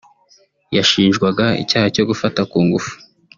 yashinjwaga icyaha cyo gufata ku ngufu